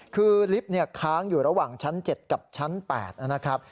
คือลิฟต์ค้างอยู่ระหว่างชั้น๗กับชั้น๘นะครับ